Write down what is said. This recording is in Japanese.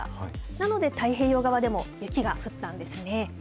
なので、太平洋側でも雪が降ったんですね。